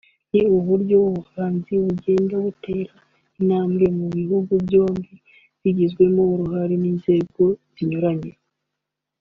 ni uburyo ubuhanzi bugenda butera intambwe mu bihugu byombi bigizwemo uruhare n’inzego zinyuranye